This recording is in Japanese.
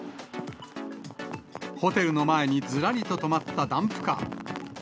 ホテルの前にずらりと止まったダンプカー。